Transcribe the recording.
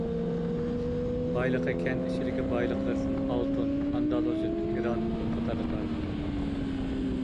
بايلىقى كەنت ئىچىدىكى بايلىقلىرىدىن ئالتۇن، ئاندالۇزىت، گىرانىت قاتارلىقلار بار.